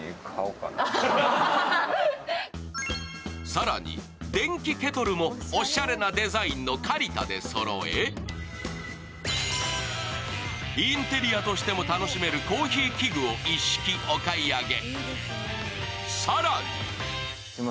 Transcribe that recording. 更に、電気ケトルもおしゃれなデザインのカリタでそろえインテリアとしても楽しめるコーヒー器具を一式お買い上げ。